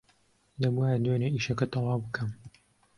دەبووایە دوێنێ ئیشەکە تەواو بکەم.